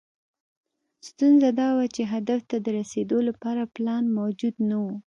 ستونزه دا وه چې هدف ته د رسېدو لپاره پلان موجود نه و.